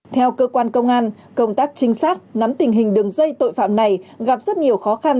theo cơ quan công an công tác trinh sát nắm tình hình đường dây tội phạm này gặp rất nhiều khó khăn